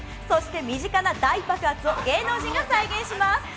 そして身近な大爆発を芸能人が再現します。